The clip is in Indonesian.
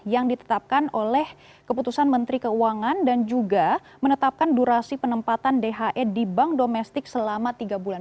yang ditetapkan oleh keputusan menteri keuangan dan juga menetapkan durasi penempatan dhe di bank domestik selama tiga bulan